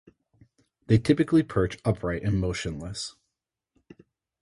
They typically perch upright and motionless.